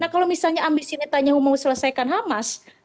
kalau misalnya ambisi netanyahu mau selesaikan hamas